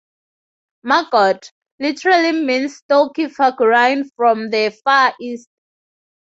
"Magot" literally means "stocky figurine from the Far East.